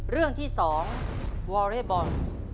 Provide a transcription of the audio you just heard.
เรื่องที่๒วอเรย์บอล